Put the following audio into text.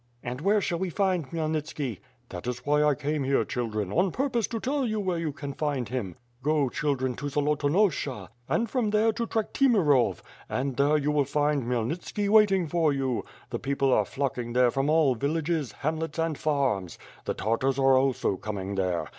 "And where shall we find Khmyelnitski?" "That is why I came here, children, on purpose to tell you where you can find him. Go, children, to Zolotonosha, and from there to Trekhtimirov, and there you will find Khmyel ' nitski waiting for you. The people are flocking there from all villages, hamlets, and farms. The Tartars are also coming there.